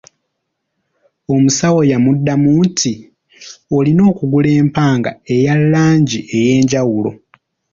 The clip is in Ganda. Omusawo yamudamu nti, oyina okugula empanga eya langi ey'enjawulo.